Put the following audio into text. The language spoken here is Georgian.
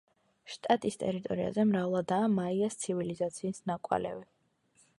შტატის ტერიტორიაზე მრავლადაა მაიას ცივილიზაციის ნაკვალევი.